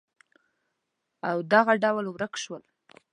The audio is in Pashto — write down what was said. او دغه ډول ورک شول